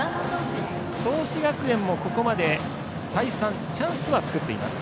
創志学園もここまで再三チャンスは作っています。